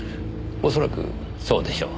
恐らくそうでしょう。